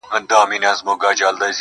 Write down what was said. خدای په ژړا دی، خدای پرېشان دی,